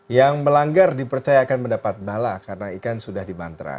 yang melanggar dipercayakan mendapat bala karena ikan sudah dimantra